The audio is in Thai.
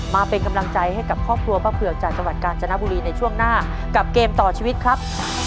มาเป็นกำลังใจให้กับครอบครัวป้าเผือกจากจังหวัดกาญจนบุรีในช่วงหน้ากับเกมต่อชีวิตครับ